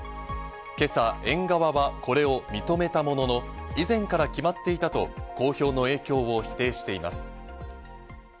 今朝、園側はこれを認めたものの、以前から決まっていたと、公表の影響を否定しています。